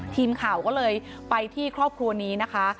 ทีมข่าวก็เลยไปที่ครอบครัวนี้นะคะ